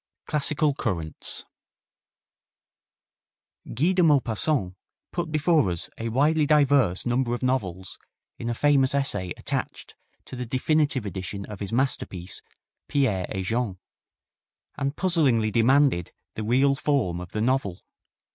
CLASSICAL CURRENTS Guy de Maupassant put before us a widely diverse number of novels in a famous essay attached to the definitive edition of his masterpiece, "Pierre et Jean," and puzzlingly demanded the real form of the novel.